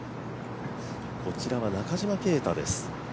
こちらは中島啓太です。